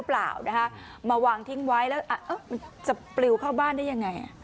มาวางทิ้งไว้แล้วจะปลิวเข้าบ้านได้อย่างไร